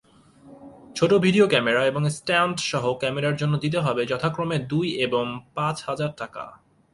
ছোট video camera এবং stand সহ ক্যামেরার জন্য দিতে হবে যথাক্রমে দুই এবং পাঁচ হাজার টাকা।